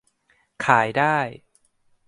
ขายได้